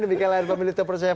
demikian layar pemilih terpercaya